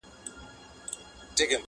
د اکبر په ميخانوکي -